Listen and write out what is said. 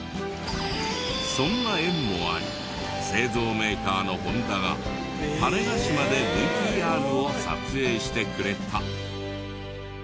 そんな縁もあり製造メーカーのホンダが種子島でＶＴＲを撮影してくれた。